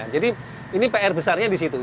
jadi ini pr besarnya di situ